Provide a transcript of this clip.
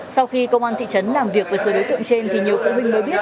sau khi công an thị trấn làm việc với số đối tượng trên thì nhiều phụ huynh mới biết